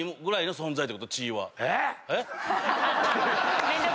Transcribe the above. えっ？